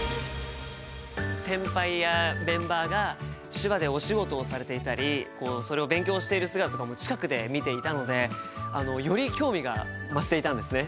先輩やメンバーが手話でお仕事をされていたりそれを勉強している姿とかも近くで見ていたのでより興味が増していたんですね。